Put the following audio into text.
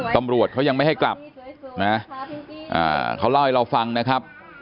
ตำรวจเขายังไม่ให้กลับนะเขาเล่าให้เราฟังนะครับ